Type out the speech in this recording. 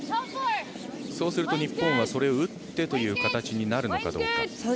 そうすると日本はそれを打ってという形になるのかどうか。